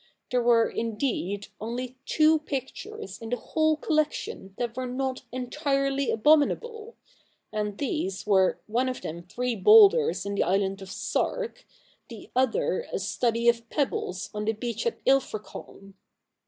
There were, indeed, only two pictures in the whole collection that were not entirely abominable ; and these were, one of them three boulders in the island of Sark, the other a study of pebbles on the beach at Ilfracombe.'